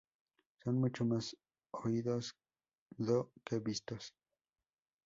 Son mucho más oídos do que vistos.